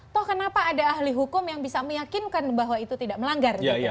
toh kenapa ada ahli hukum yang bisa meyakinkan bahwa itu tidak melanggar